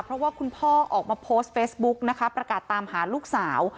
เพราะว่าคุณพ่อออกมาโพสต์เฟซบุ๊กนะคะประกาศตามหาลูกสาว